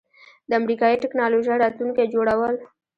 د امریکایی ټیکنالوژۍ راتلونکی جوړول